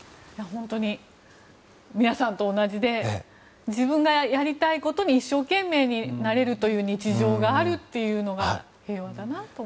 本当に皆さんと同じで自分がやりたいことに一生懸命になれるという日常があるっていうのが平和だなと。